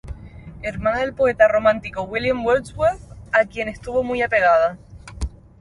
Hermana del poeta romántico William Wordsworth, a quien estuvo muy apegada.